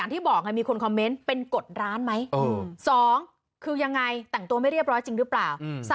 แต่งตัวไม่เรียบร้อยจริงหรือเปล่า